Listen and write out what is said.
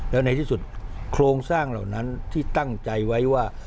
แล้วในที่สุดโครงสร้างเหล่านั้นที่ตั้งใจไว้ว่า